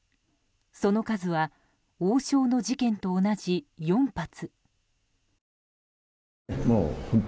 その数は王将の事件と同じ４発。